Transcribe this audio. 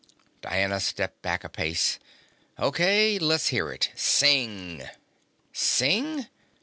Diana stepped back a pace. "Okay, let's hear it. Sing!" "Sing?